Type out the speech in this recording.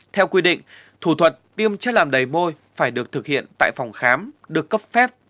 theo quy định thủ thuật tiêm chất làm đầy môi phải được thực hiện tại phòng khám được cấp phép